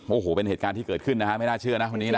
โอ้โหเป็นเหตุการณ์ที่เกิดขึ้นนะฮะไม่น่าเชื่อนะคนนี้นะ